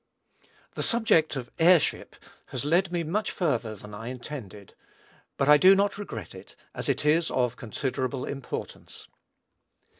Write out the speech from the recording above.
The subject of heirship has led me much further than I intended; but I do not regret it, as it is of considerable importance.